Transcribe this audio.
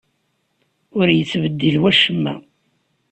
Ur yettbeddil wacemma.